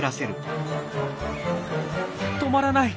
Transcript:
止まらない。